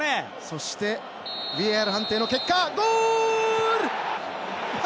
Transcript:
そしてＶＡＲ判定の結果ゴール！